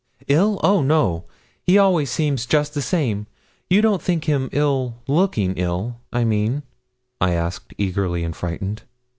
'Ill; oh no; he always seems just the same. You don't think him ill looking ill, I mean?' I asked eagerly and frightened.